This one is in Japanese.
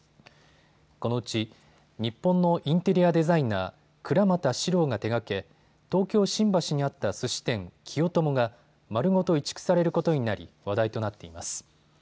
このうち日本のインテリアデザイナー、倉俣史朗が手がけ、東京新橋にあったすし店、きよ友が丸ごと移築されることになり話題となっています。